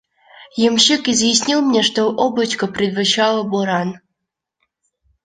Ямщик изъяснил мне, что облачко предвещало буран.